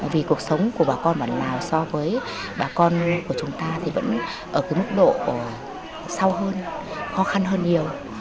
vì cuộc sống của bà con bản lào so với bà con của chúng ta thì vẫn ở mức độ sâu hơn khó khăn hơn nhiều